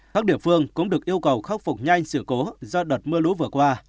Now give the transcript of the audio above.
các địa phương cũng được yêu cầu khắc phục nhanh sự cố do đợt mưa lũ vừa qua